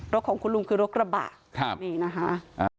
รถของคุณลุงคือรถกระบะนี่นะคะ